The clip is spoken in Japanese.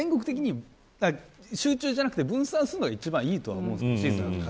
うまい具合に、全国的に集中じゃなくて分散するのが一番いいと思うんですよ。